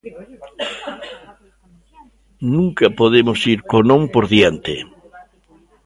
Nunca podemos ir co "non" por diante.